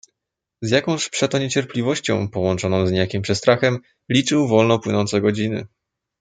"Z jakąż przeto niecierpliwością, połączoną z niejakim przestrachem, liczył wolno płynące godziny."